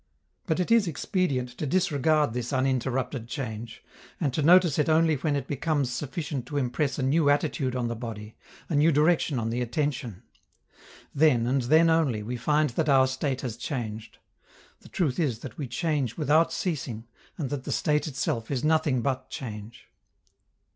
But it is expedient to disregard this uninterrupted change, and to notice it only when it becomes sufficient to impress a new attitude on the body, a new direction on the attention. Then, and then only, we find that our state has changed. The truth is that we change without ceasing, and that the state itself is nothing but change.